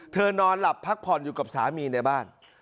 นอนหลับพักผ่อนอยู่กับสามีในบ้าน